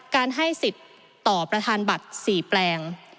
ให้สิทธิ์ต่อประธานบัตร๔แปลง